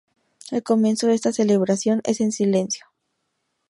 El comienzo de esta celebración es en silencio.